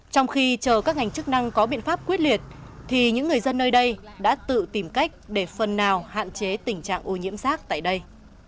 trong khi chờ các ngành chức năng có biện pháp quyết liệt thì những người dân nơi đây đã tự tìm cách để phần nào hạn chế tình trạng ô nhiễm rác tại đây